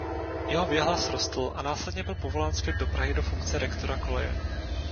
Jeho věhlas rostl a následně byl povolán zpět do Prahy do funkce rektora koleje.